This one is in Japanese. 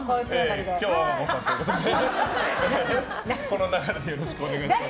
今日は和歌子さんということでこの流れでよろしくお願いします。